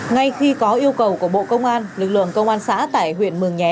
ngay khi có yêu cầu của bộ công an lực lượng công an xã tại huyện mường nhé